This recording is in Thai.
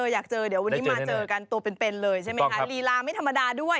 อยากเจอเดี๋ยววันนี้มาเจอกันตัวเป็นเลยใช่ไหมคะลีลาไม่ธรรมดาด้วย